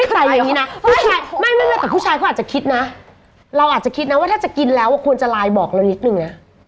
ใส่อย่างนี้นะไม่แต่ผู้ชายเขาอาจจะคิดนะเราอาจจะคิดนะว่าถ้าจะกินแล้วควรจะไลน์บอกเรานิดนึงนะ